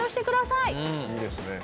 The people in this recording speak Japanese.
いいですね。